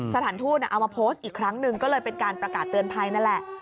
สถานทูตเอามาโพสต์อีกครั้งหนึ่งก็เลยเป็นการประกาศเตือนภัยนั่นแหละ